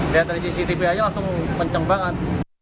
lihat dari cctv aja langsung kenceng banget